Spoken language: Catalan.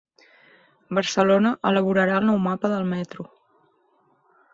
Barcelona elaborarà el nou mapa del metro